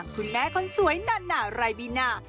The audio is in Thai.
คุณแม่คนสวยนานาไรบีนา